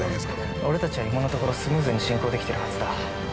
俺たちは今のところスムーズに進行できてるはずだ。